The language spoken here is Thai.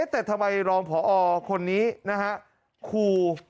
แต่ทำไมรองผอคนนี้ครู